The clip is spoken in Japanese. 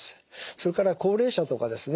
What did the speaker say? それから高齢者とかですね